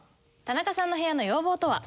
田中さんの部屋の要望とは？